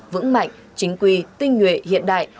vững mạnh chính quy tinh nguyện hiện đại